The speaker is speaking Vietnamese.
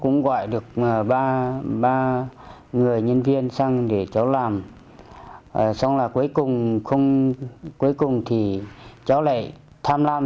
người nhân viên sang để cháu làm xong là cuối cùng cháu lại tham lam